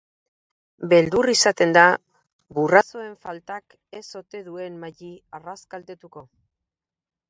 Beldur izaten da burrasoen faltak ez ote duen Maddi arras kaltetuko.